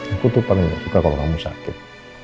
aku tuh paling suka kalau kamu sakit